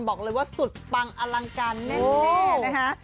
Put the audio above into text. บอกเลยว่าสุดปังอลังการแน่นะคะ